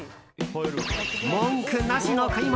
文句なしの買い物。